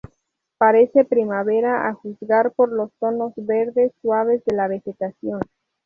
Parece primavera a juzgar por los tonos verdes suaves de la vegetación.